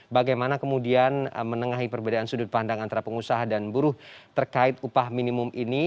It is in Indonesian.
bagaimana kemudian menengahi perbedaan sudut pandang antara pengusaha dan buruh terkait upah minimum ini